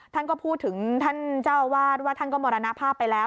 ท่านก็พูดถึงท่านเจ้าอาวาสว่าท่านก็มรณภาพไปแล้ว